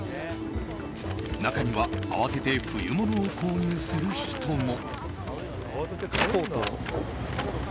中には、慌てて冬物を購入する人も。